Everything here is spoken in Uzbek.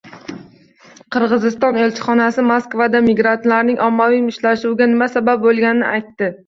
Qirg‘iziston elchixonasi Moskvada migrantlarning ommaviy mushtlashuviga nima sabab bo‘lganini aytdi